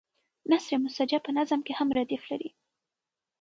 نثر مسجع په نظم کې هم ردیف لري.